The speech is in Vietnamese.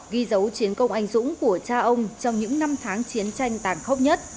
ghi dấu chiến công anh dũng của cha ông trong những năm tháng chiến tranh tàn khốc nhất